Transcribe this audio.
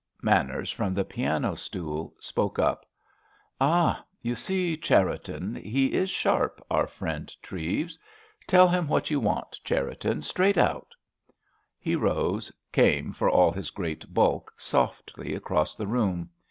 Manners, from the piano stool, spoke up. "Ah, you see, Cherriton—he is sharp, our friend Treves. Tell him what you want, Cherriton, straight out!" He rose, came, for all his great bulk, softly across the room.